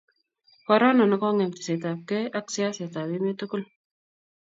korona ne kokongem teset ab kei ak siaset ab emet tugul